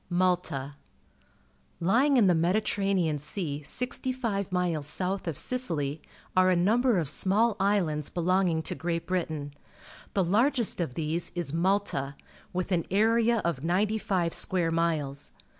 Malta. — Lj ing in the Mediterranean Sea sivt^jji vp milps south of Sicily, are a number of small islands belonging to Great Britain. The largest of these is Malta, with an area of ninety five square miles.